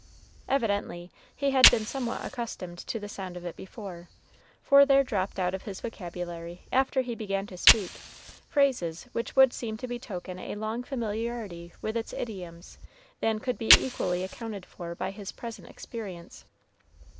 Evidently, he had been somewhat accustomed to the sound of it before, for there dropped out of his vocabulary, after he began to speak, phrases which would seem to betoken a longer familiarity with its idioms than could be equally accounted for by his present experience.